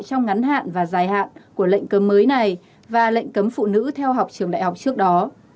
trong ngắn hạn và dài hạn của lệnh cấm mới này và lệnh cấm phụ nữ theo học trường đại học trước đó